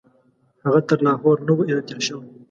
هغه تر لاهور نه وو راتېر شوی.